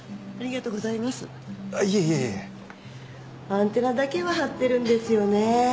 アンテナだけは張ってるんですよね。